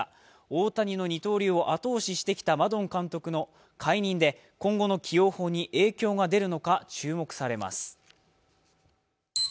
大谷の二刀流を後押ししてきたマドン監督の解任で、今後の起用法に影響が出るのか注目されます。